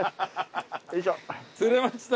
釣れました。